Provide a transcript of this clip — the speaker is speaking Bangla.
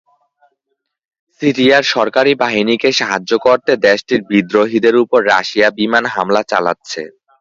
সিরিয়ার সরকারি বাহিনীকে সাহায্য করতে দেশটির বিদ্রোহীদের ওপর রাশিয়া বিমান হামলা চালাচ্ছে।